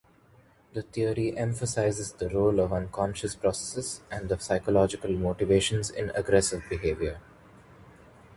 This theory emphasizes the role of unconscious processes and psychological motivations in aggressive behavior.